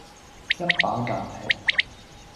一把間尺